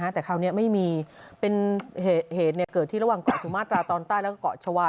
แต่คราวนี้ไม่มีเป็นเหตุเกิดที่ระหว่างเกาะสุมาตราตอนใต้แล้วก็เกาะชาวา